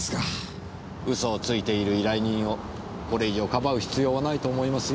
嘘をついている依頼人をこれ以上かばう必要はないと思いますよ。